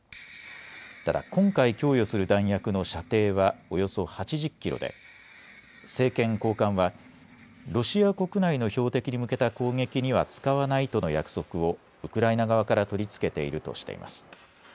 ただ今回、供与する弾薬の射程はおよそ８０キロで政権高官はロシア国内の標的に向けた攻撃には使わないとの約束をウクライナ側から取り付けているとしています。